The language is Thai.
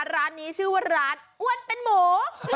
ร้านนี้ชื่อว่าร้านอ้วนเป็นหมู